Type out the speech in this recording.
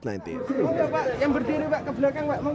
mau gak pak yang berdiri ke belakang